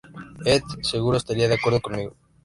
Ed, seguro, estaría de acuerdo conmigo...